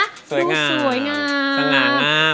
ดูสวยงาม